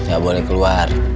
ga boleh keluar